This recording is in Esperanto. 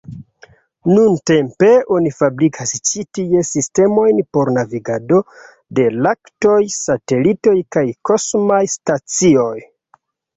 Nuntempe oni fabrikas ĉi tie sistemojn por navigado de raketoj, satelitoj kaj kosmaj stacioj.